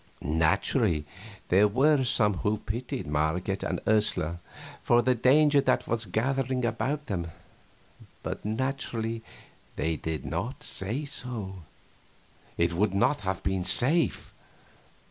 Naturally there were some who pitied Marget and Ursula for the danger that was gathering about them, but naturally they did not say so; it would not have been safe.